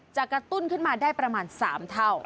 กระตุ้นขึ้นมาได้ประมาณ๓เท่า